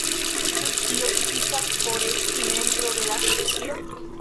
Ĉu tio sufiĉas por esti membro de la asocio?